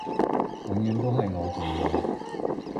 永遠都係我做野